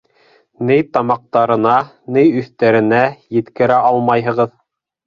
Ней тамаҡтарына, ней өҫтәренә еткерә алмайһығыҙ.